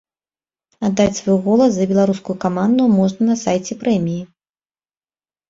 Аддаць свой голас за беларускую каманду можна на сайце прэміі.